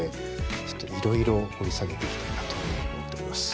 ちょっといろいろ掘り下げていきたいなと思っております。